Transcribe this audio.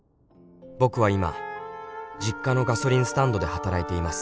「僕は今実家のガソリンスタンドで働いています」